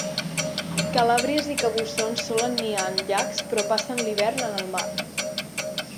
Calàbries i cabussons solen niar en llacs però passen l'hivern en el mar.